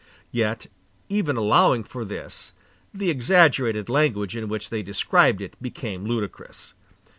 Yet even allowing for this, the exaggerated language in which they described it became absolutely ludicrous.